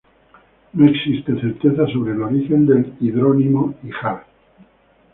No existe certeza sobre el origen del hidrónimo "híjar".